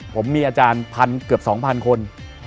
ผมมีอาจารย์พันเกือบ๒๐๐คน